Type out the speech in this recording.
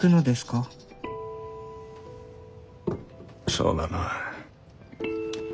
そうだな。